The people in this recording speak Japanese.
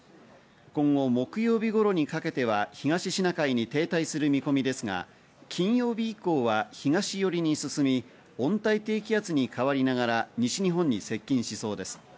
今後、木曜日頃にかけては東シナ海に停滞する見込みですが、金曜日以降は東寄りに進み、温帯低気圧に変わりながら西日本に接近しそうです。